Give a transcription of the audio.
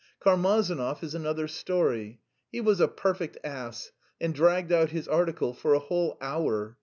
Karmazinov is another story. He was a perfect ass and dragged out his article for a whole hour.